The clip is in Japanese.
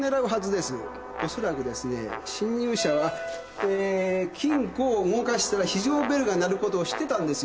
おそらくですね侵入者はえー金庫を動かしたら非常ベルが鳴ることを知ってたんですよ。